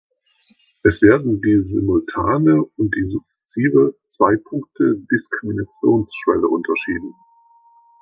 Es werden die "simultane" und die "sukzessive" Zwei-Punkte-Diskriminationsschwelle unterschieden.